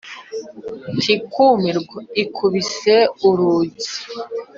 ntikumirwa ikubise urugi